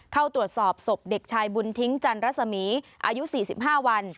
เข้าตรวจสอบศพเด็กชายบุญทิ้งจันรัศมีอายุ๔๕วัน